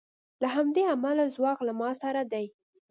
له همدې امله ځواک له ما سره دی